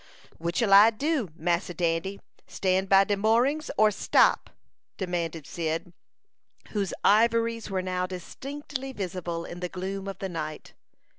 "Which'll I do, Massa Dandy, stand by de moorings, or stop?" demanded Cyd, whose ivories were now distinctly visible in the gloom of the night.